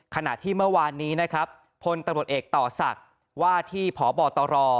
ขณะที่เมื่อวานนี้นะครับพลตำรวจเอกต่อศักดิ์ว่าที่พบตร